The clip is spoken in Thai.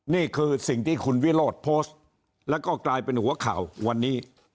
นี่คือสิ่งที่คุณวิโรธโพสต์แล้วก็กลายเป็นหัวข่าววันนี้